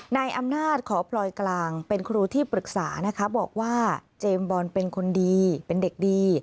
นายอำนาจขอพลอยกลางเป็นครูที่ปรึกษานะคะบอกว่าเจมส์บอลเป็นคนดีเป็นเด็กดี